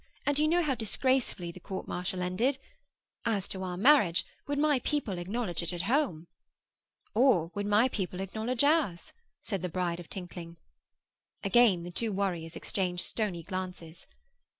And you know how disgracefully the court martial ended. As to our marriage; would my people acknowledge it at home?' 'Or would my people acknowledge ours?' said the bride of Tinkling. Again the two warriors exchanged stony glances.